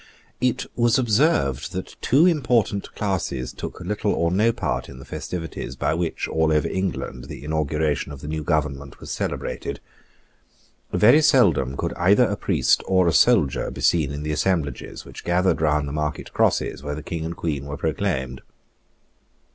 It was observed that two important classes took little or no part in the festivities by which, all over England, the inauguration of the new government was celebrated. Very seldom could either a priest or a soldier be seen in the assemblages which gathered round the market crosses where the King and Queen were proclaimed.